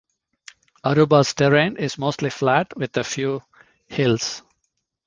Aruba's terrain is mostly flat with a few hills.